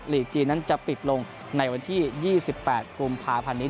ลีกจีนนั้นจะปิดลงในวันที่๒๘กุมภาพันธ์นี้